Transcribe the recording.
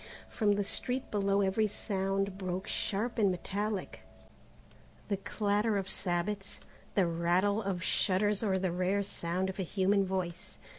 From the street below every sound broke sharp and metallic the clatter of sabots, the rattle of shutters or the rare sound of a human voice.